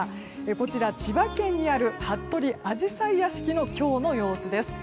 こちら千葉県にある服部あじさい屋敷の今日の様子です。